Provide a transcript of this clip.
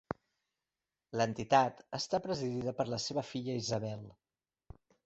L'entitat està presidida per la seva filla Isabel.